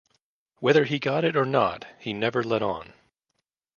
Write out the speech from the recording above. Whether he got it or not, he never let on.